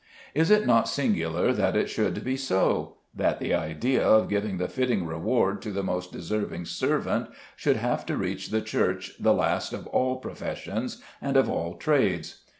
Is it not singular that it should be so, that the idea of giving the fitting reward to the most deserving servant should have to reach the Church the last of all professions and of all trades?